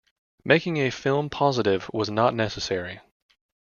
Making a film positive was not necessary.